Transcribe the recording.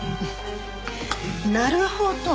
なるほど。